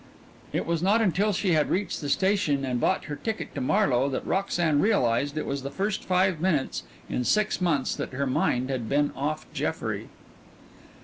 It was not until she had reached the station and bought her ticket to Marlowe that Roxanne realized it was the first five minutes in six months that her mind had been off Jeffrey.